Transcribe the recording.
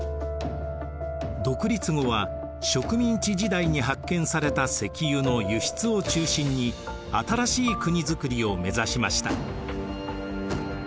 独立後は植民地時代に発見された石油の輸出を中心に新しい国づくりをめざしました。